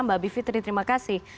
mbak bivitri terima kasih